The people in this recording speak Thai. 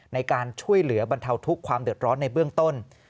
ในการช่วยเหลือบรรเทาทุกข์ความเดือดร้อนในเบื้องต้น